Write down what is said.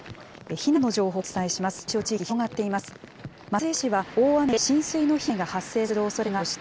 避難の情報をお伝えします。